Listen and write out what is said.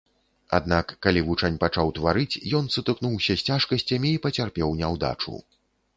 Аднак калі вучань пачаў тварыць, ён сутыкнуўся з цяжкасцямі і пацярпеў няўдачу.